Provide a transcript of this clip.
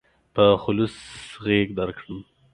په خلوص غېږ درکړم.